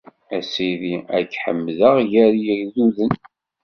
A Sidi, ad k-ḥemdeɣ gar yigduden.